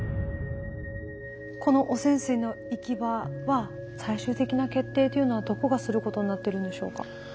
この汚染水の行き場は最終的な決定というのはどこがすることになってるんでしょうか？